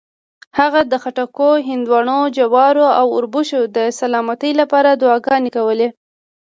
هغه د خټکو، هندواڼو، جوارو او اوربشو د سلامتۍ لپاره دعاګانې کولې.